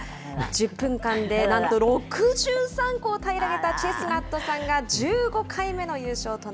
１０分間でなんと６３個をたいらげたチェスナットさんが、１５回すごいですね。